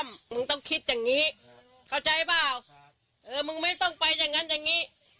มึงต้องคิดอย่างนี้เข้าใจเปล่าเออมึงไม่ต้องไปอย่างนั้นอย่างนี้